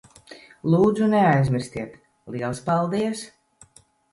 Lūdzu, neaizmirstiet. Liels paldies.